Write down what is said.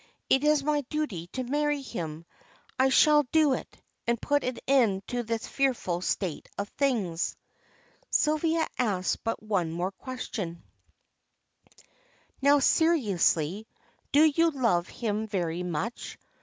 It is my duty to marry him; I shall do it, and put an end to this fearful state of things." Sylvia asked but one more question "Now, seriously, do you love him very much?